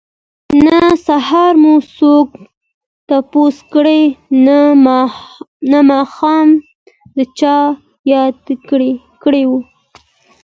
نه سهار مو څوک تپوس کړي نه ماښام د چا ياديږو